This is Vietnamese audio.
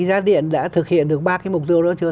giá điện đã thực hiện được ba cái mục tiêu đó chưa